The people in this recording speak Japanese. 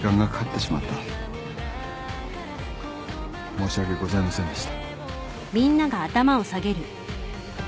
申し訳ございませんでした。